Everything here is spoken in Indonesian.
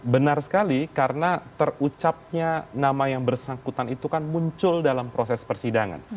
benar sekali karena terucapnya nama yang bersangkutan itu kan muncul dalam proses persidangan